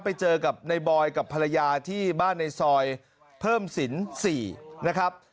ไปเจอกับในบอยกับภรรยาที่บ้านในซอยเพิ่มสิน๔นะครับ